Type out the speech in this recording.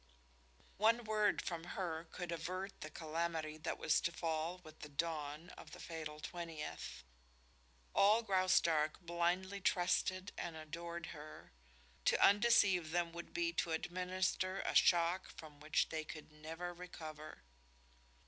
One word from her could avert the calamity that was to fall with the dawn of the fatal twentieth. All Graustark blindly trusted and adored her; to undeceive them would be to administer a shock from which they could never recover.